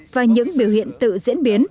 và những biểu hiện tự diễn biến